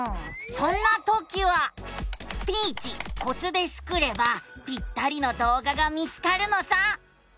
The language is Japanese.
そんなときは「スピーチコツ」でスクればぴったりの動画が見つかるのさ。